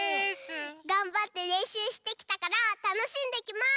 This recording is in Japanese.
がんばってれんしゅうしてきたからたのしんできます！